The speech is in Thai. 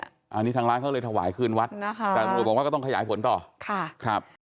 อันนี้ทางร้านเขาเลยถวายคืนวัดนะคะแต่ตำรวจบอกว่าก็ต้องขยายผลต่อค่ะครับ